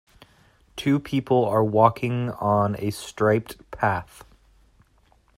Two people are walking on a striped path.